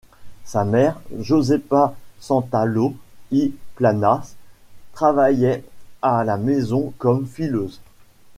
Sa mère, Josepa Santaló i Planas travaillait à la maison comme fileuse.